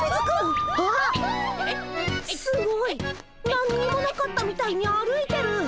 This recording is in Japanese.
何にもなかったみたいに歩いてる！